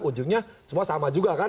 ujungnya semua sama juga kan